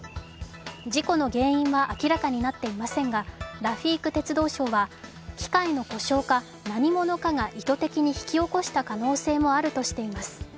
事故の原因は明らかになっていませんがラフィーク鉄道相は、機械の故障か何者かが意図的に引き起こした可能性もあるとしています。